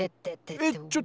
えっ？